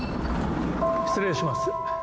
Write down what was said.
失礼します。